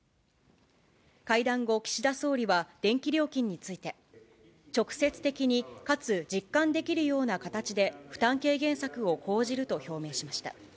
会談後、岸田総理は電気料金について、直接的に、かつ実感できるような形で、負担軽減策を講じると表明しました。